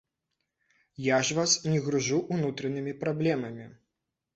Я ж вас не гружу ўнутранымі праблемамі.